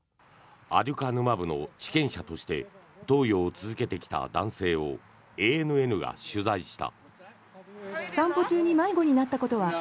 アデュカヌマブの治験者として投与を続けてきた男性をＡＮＮが取材した。